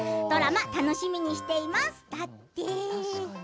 ドラマ楽しみにしています。